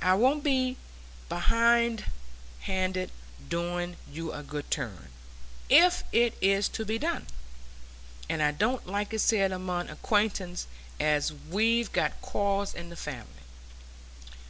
I won't be behindhand i' doing you a good turn, if it is to be done. And I don't like it said among acquaintance as we've got quarrels in the family.